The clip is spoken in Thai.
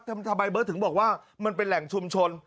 ทำไมเบิร์ตถึงบอกว่ามันเป็นแหล่งชุมชน